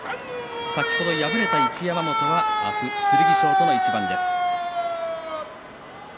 先ほど敗れた一山本明日は剣翔との一番です。